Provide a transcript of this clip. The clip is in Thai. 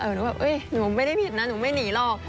เออเราก็แบบเอ้ยหนูไม่ได้ผิดนะหนูไม่หนีหรอก